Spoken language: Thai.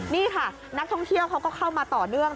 นี่ค่ะนักท่องเที่ยวเขาก็เข้ามาต่อเนื่อง